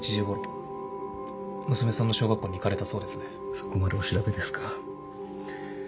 そこまでお調べですか。